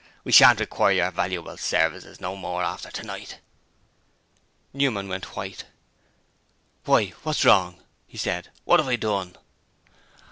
'We shan't require your valuable services no more after tonight.' Newman went white. 'Why, what's wrong?' said he. 'What have I done?'